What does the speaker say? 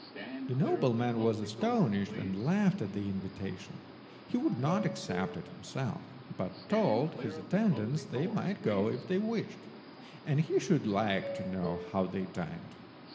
The nobleman was astonished, and laughed at the invitation. He would not accept it himself, but told his attendants they might go if they wished, and he should like to know how they dined.